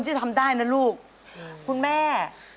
สุดท้ายสุดท้าย